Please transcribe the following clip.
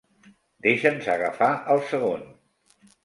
Deixa'ns agafar el segon.